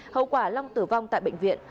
hậu quả long tử vong tại bệnh viện